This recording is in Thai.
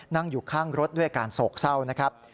นั่งอยู่ข้างรถด้วยการโศกเศร้า